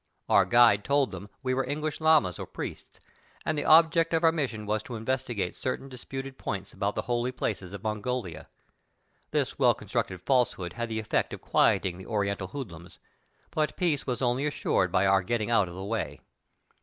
Our guide told them we were English lamas or priests, and the object of our mission was to investigate certain disputed points about the holy places of Mongolia. This well constructed falsehood had the effect of quieting the oriental hoodlums, but peace was onl}^ assured by our getting out of the way.